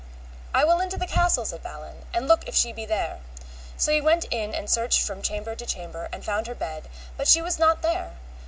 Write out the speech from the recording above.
I will into the castle, said Balin, and look if she be there. So he went in and searched from chamber to chamber, and found her bed, but she was not there.